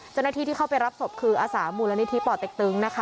เจ้าหน้าที่ที่เข้าไปรับศพคืออสามูลนิธิป่อเต็กตึงนะคะ